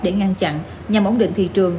để ngăn chặn nhằm ổn định thị trường